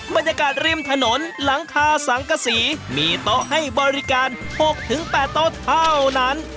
บรรยากาศริมถนนหลังคาสังกษีมีโต๊ะให้บริการ๖๘โต๊ะเท่านั้น